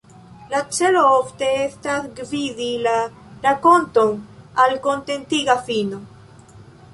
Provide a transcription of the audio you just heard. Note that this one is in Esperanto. La celo ofte estas gvidi la rakonton al kontentiga fino.